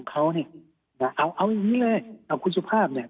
เอาอย่างนี้เลยเอากูสุภาพเนี่ย